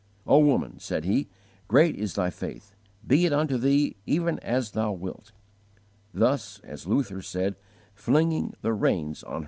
"O woman," said He, "great is thy faith! Be it unto thee even as thou wilt" thus, as Luther said, "flinging the reins on her neck."